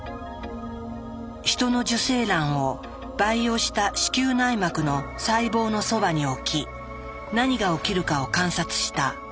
ヒトの受精卵を培養した子宮内膜の細胞のそばに置き何が起きるかを観察した。